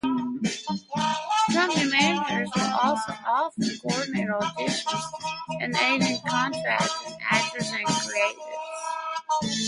Company managers will also often coordinate auditions and aid in contracting actors and creatives.